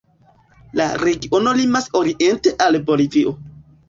La regiono limas oriente al Bolivio.